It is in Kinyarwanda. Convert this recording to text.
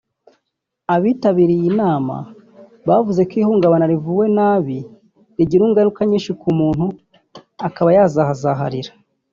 Abitabiriye iyi nama bavuze ko ihungabana ryavuwe nabi rigira ingaruka nyinshi ku muntu akaba yahazaharira